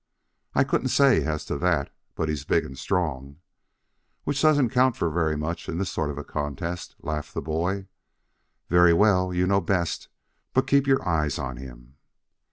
"I couldn't say as to that. But he's big and strong " "Which doesn't count for very much in this sort of a contest," laughed the boy. "Very well, you know best. But keep your eyes on him."